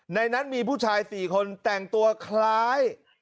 ในนั้นมีผู้ชาย๔คนแต่งตัวคล้าย